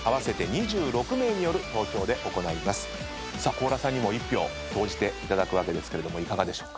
高良さんにも１票投じていただくわけですけれどいかがでしょうか？